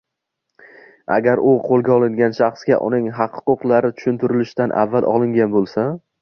agar u qo‘lga olingan shaxsga uning haq-huquqlari tushuntirilishidan avval olingan bo‘lsa